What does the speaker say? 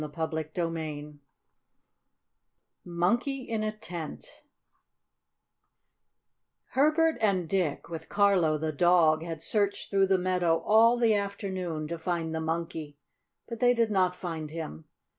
CHAPTER IX MONKEY IN A TENT Herbert and Dick, with Carlo the dog, had searched through the meadow all the afternoon, to find the Monkey, but they did not find him.